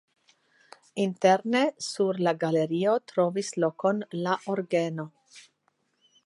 Interne sur la galerio trovis lokon la orgeno.